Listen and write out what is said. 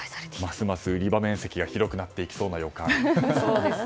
ますます売り場面積が広くなっていきそうな予感。